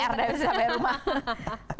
pr dari siapa yang rumah